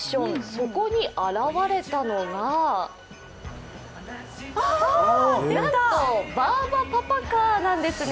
そこに現れたのがなんとバーバパパカーなんですね。